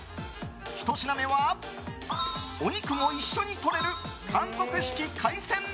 １品目は、お肉も一緒にとれる韓国式海鮮鍋。